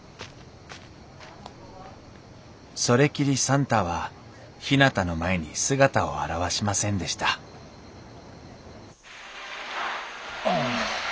それきりサンタはひなたの前に姿を現しませんでしたお。